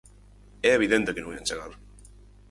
É evidente que non ían chegar.